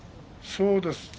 そうですね。